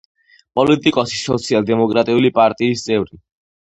პოლიტიკოსი, სოციალ-დემოკრატიული პარტიის წევრი.